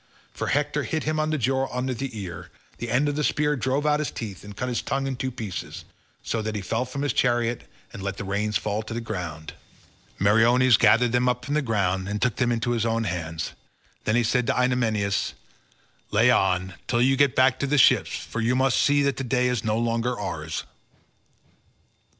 For Hector hit him on the jaw under the ear; the end of the spear drove out his teeth and cut his tongue in two pieces, so that he fell from his chariot and let the reins fall to the ground. Meriones gathered them up from the ground and took them into his own hands, then he said to Idomeneus, "Lay on, till you get back to the ships, for you must see that the day is no longer ours."